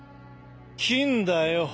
金だよ。